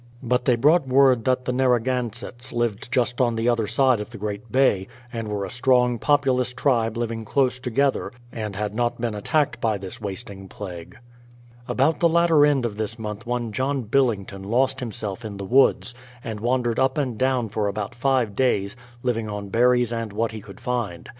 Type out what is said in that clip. But they brought word that the Narragansetts lived just on the other side of the great bay, and were a strong, populous tribe living close together, and had not been attacked by this wasting plague. About the latter end of this month one John Billington THE PLYMOUTH SETTLEMENT 87 lost himself in the woods, and wandered up and down for about five days, living on berries and what he could find.